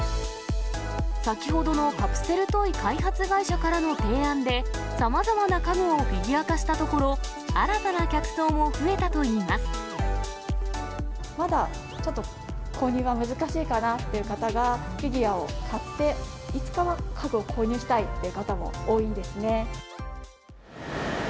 先ほどのカプセルトイ開発会社からの提案で、さまざまな家具をフィギュア化したところ、新たな客層も増えたとまだちょっと、購入は難しいかなっていう方が、フィギュアを買って、いつかは家具を購入したいっていう方も多いんですね。